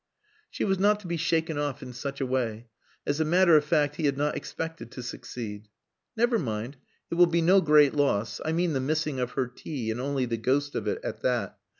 She was not to be shaken off in such a way. As a matter of fact he had not expected to succeed. "Never mind, it will be no great loss. I mean the missing of her tea and only the ghost of it at that.